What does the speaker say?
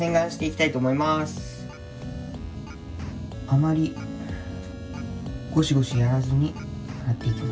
あまりゴシゴシやらずに洗っていく。